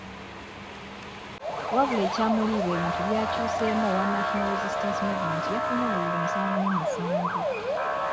Wabula e Kyamuliibwa ebintu byakyuseemu owa National Resistannce Movement yafunye obululu nsanvu mu musanvu.